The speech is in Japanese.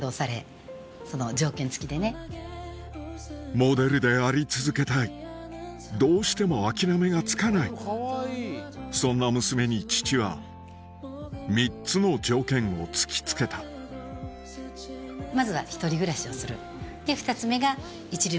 モデルであり続けたいどうしても諦めがつかないそんな娘に父は３つの条件を突き付けたそれも。